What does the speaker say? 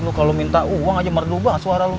lo kalau minta uang aja merdu banget suara lo